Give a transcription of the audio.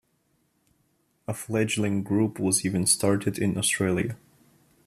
A fledgling group was even started in Australia.